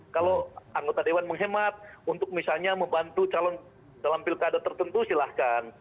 kalau anggota dewan menghemat untuk misalnya membantu calon dalam pilkada tertentu silahkan